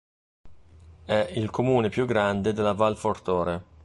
È il comune più grande della Val Fortore.